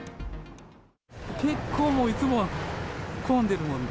結構もう、いつも混んでるもんで。